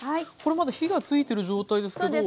これまだ火が付いてる状態ですけど。